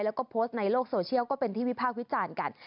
แล้วก็โพสต์ในโลกโซเชียลก็เป็นที่วิพากษ์วิจารณ์กัน